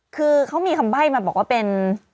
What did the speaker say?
คือเขามีคำใบ้มาบอกว่าเป็น